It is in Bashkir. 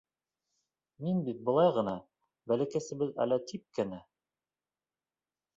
Мин бит былай ғына, бәләкәсбеҙ әле тип кенә...